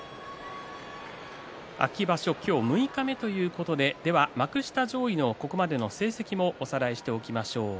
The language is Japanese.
秋場所、今日三日目ということで幕下上位のここまでの成績をおさらいしておきましょう。